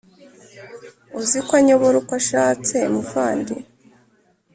uziko anyobora uko ashatse muvandi